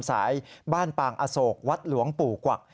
สายบ้านปางอโศกวัดหลวงปู่กวัก